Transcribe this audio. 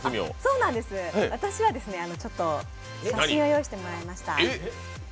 私は写真を用意してもらいました。